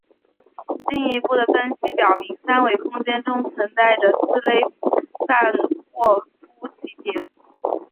进一步的分析表明三维空间中存在着四类范霍夫奇点。